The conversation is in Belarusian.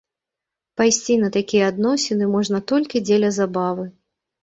Пайсці на такія адносіны можна толькі дзеля забавы.